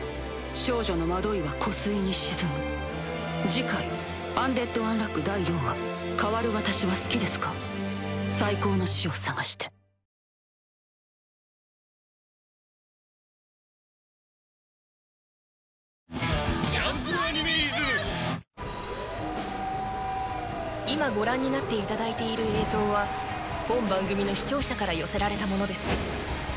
少女の惑いは湖水に沈む次回「アンデッドアンラック」第４話最高の死を探して今ご覧になっていただいている映像は本番組の視聴者から寄せられたものです。